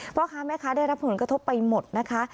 พ่อค้าแม่ค้าได้รับผลกระทบไปหมดนะคะ